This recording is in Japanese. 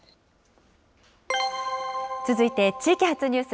続いて地域発ニュース。